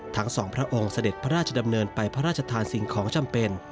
ทั้งสองพระองค์เสด็จพระราชดำเนินไปพระราชทานสิ่งของจำเป็น